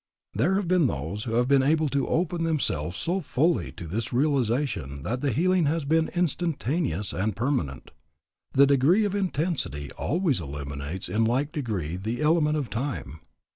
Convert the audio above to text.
There have been those who have been able to open themselves so fully to this realization that the healing has been instantaneous and permanent. The degree of intensity always eliminates in like degree the element of time.